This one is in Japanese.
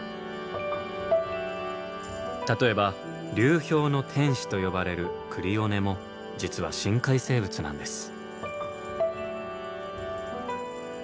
例えば流氷の天使と呼ばれるクリオネも実は深海生物なんです。